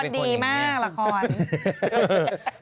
รักษณ์ดีมากรักษณ์